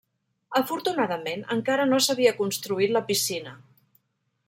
Afortunadament, encara no s'havia construït la piscina.